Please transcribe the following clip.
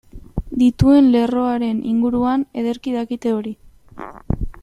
Dituen lerroaren inguruan ederki dakite hori.